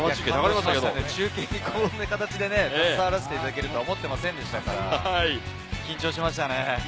中継にこんな形で携わらせていただけるとは思っていませんでしたから、緊張しましたね。